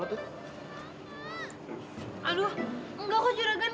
akhirnya sembuh juga